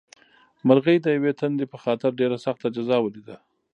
مرغۍ د یوې تندې په خاطر ډېره سخته جزا ولیده.